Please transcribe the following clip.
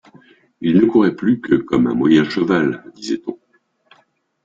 Il ne courait plus que comme un moyen cheval, disait-on.